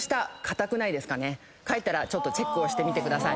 帰ったらチェックしてみてください。